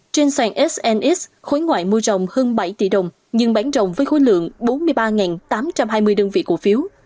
trên sàn snx khối ngoại mua rồng hơn bảy tỷ đồng nhưng bán rồng với khối lượng bốn mươi ba tám trăm hai mươi đơn vị cổ phiếu